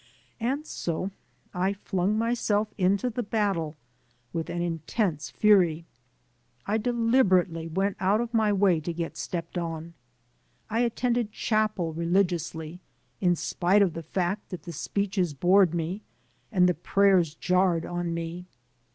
And so I flimg myself into the battle with an intense fury. I deliberately went out of my way to get stepped on. I attended chapel religiously, in spite of the fact that the speeches bored me and the prayers jarred on me.